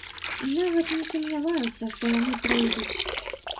І нават не сумняваюцца, што яны пройдуць.